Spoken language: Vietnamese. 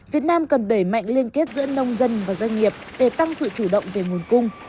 việt nam cần đẩy mạnh liên kết giữa nông dân và doanh nghiệp để tăng sự chủ động về nguồn cung